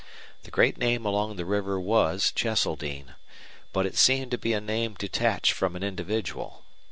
The great name along the river was Cheseldine, but it seemed to be a name detached from an individual.